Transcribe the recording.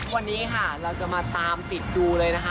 วันนี้ค่ะเราจะมาตามติดดูเลยนะคะ